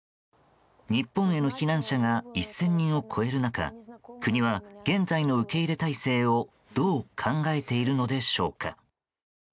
日本への避難者が１０００人を超える中国は現在の受け入れ体制をどう考えているのでしょうか。